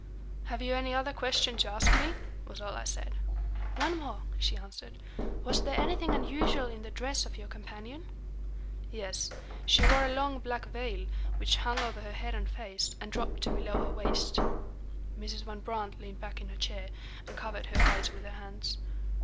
"Have you any other question to ask me?" was all I said. "One more," she answered. "Was there anything unusual in the dress of your companion?" "Yes. She wore a long black veil, which hung over her head and face, and dropped to below her waist." Mrs. Van Brandt leaned back in her chair, and covered her eyes with her hands.